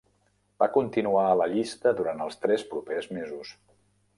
Va continuar a la llista durant els tres propers mesos.